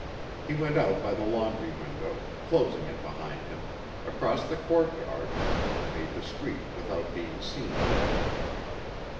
He went out by the laundry window, closing it behind him, across the courtyard, and made the street without being seen.